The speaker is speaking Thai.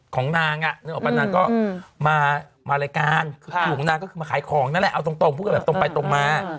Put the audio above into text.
ของนางอ่ะนึกออกปะนางก็มารายการคืออยู่ของนางก็คือมาขายของนั่นแหละเอาตรงพูดกันแบบตรงไปตรงมา